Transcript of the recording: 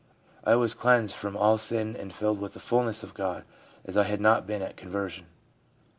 ' I was cleansed from all sin and filled with the fulness of God as I had not been at conversion.'